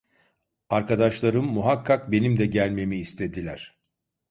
Arkadaşlarım muhakkak benim de gelmemi istediler.